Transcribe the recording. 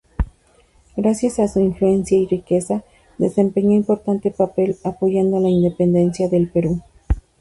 Gracias a su influencia y riqueza desempeñó importante papel apoyando la Independencia del Perú.